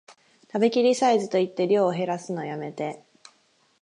食べきりサイズと言って量へらすのやめて